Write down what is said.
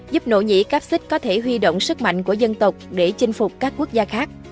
giúp nỗ nhĩ cáp xích có thể huy động sức mạnh của dân tộc để chinh phục các quốc gia khác